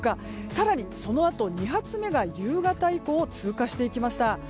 更にそのあと２発目が夕方以降、通過していきました。